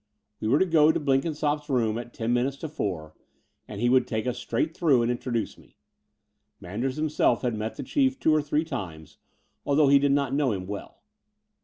We were to go to Blenkin sopp's room at ten minutes to four, and he would take us straight through and introduce me. Men ders himself had met the Chief two or three times, although he did not know him well.